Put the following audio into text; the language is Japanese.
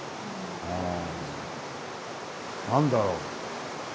何だろう。